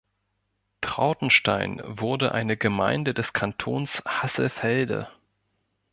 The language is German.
Trautenstein wurde eine Gemeinde des Kantons Hasselfelde.